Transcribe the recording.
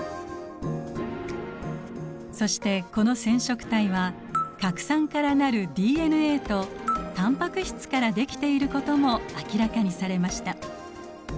そしてこの染色体は核酸から成るＤＮＡとタンパク質からできていることも明らかにされました。